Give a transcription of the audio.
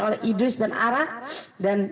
oleh idris dan ara dan